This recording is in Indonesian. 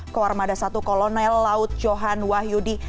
koarmada satu kolonel laut johan wahyudi